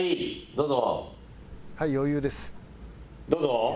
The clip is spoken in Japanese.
どうぞ？